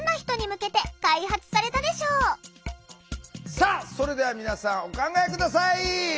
さあそれでは皆さんお考え下さい！